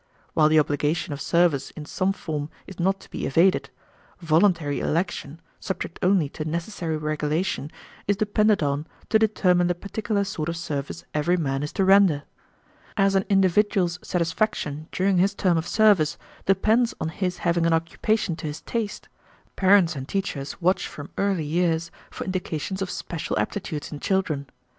While the obligation of service in some form is not to be evaded, voluntary election, subject only to necessary regulation, is depended on to determine the particular sort of service every man is to render. As an individual's satisfaction during his term of service depends on his having an occupation to his taste, parents and teachers watch from early years for indications of special aptitudes in children.